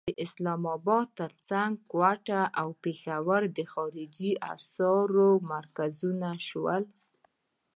د اسلام اباد تر څنګ کوټه او پېښور د خارجي اسعارو مرکزونه شول.